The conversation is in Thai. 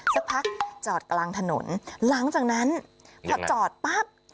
สักพักจอดกลางถนนหลังจากนั้นพอจอดปั๊บ